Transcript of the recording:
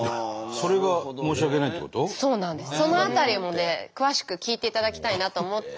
その辺りもね詳しく聞いていただきたいなと思って。